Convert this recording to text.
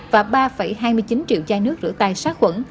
và ba hai mươi chín triệu chai nước rửa tay sát khuẩn